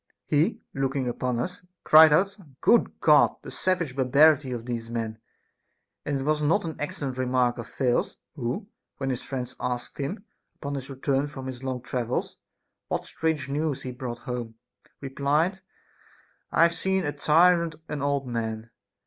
He, looking up upon us, cried out : Good God ! The savage barbarity of these men ! And was it not an excellent remark of Thales, who, when his friends asked him, upon his return from his long travels, what strange news he brought home, replied, " I have seen a tyrant an old man."